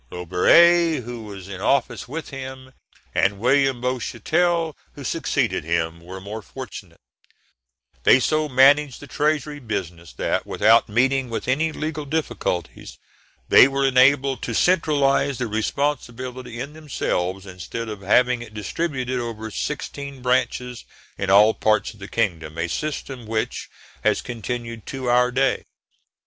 Robertet, who was in office with him, and William Bochetel, who succeeded him, were more fortunate: they so managed the treasury business that, without meeting with any legal difficulty, they were enabled to centralise the responsibility in themselves instead of having it distributed over sixteen branches in all parts of the kingdom, a system which has continued to our day.